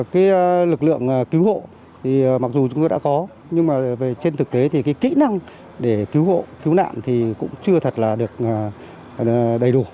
cái lực lượng cứu hộ thì mặc dù chúng tôi đã có nhưng mà trên thực tế thì cái kỹ năng để cứu hộ cứu nạn thì cũng chưa thật là được đầy đủ